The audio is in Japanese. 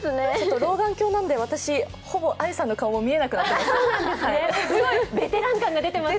老眼鏡なんで、私ほぼあゆさんの顔が見えなくなっています。